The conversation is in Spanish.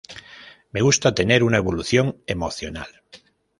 Me gusta tener una evolución emocional.